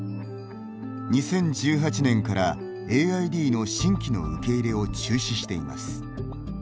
２０１８年から、ＡＩＤの新規の受け入れを中止しています。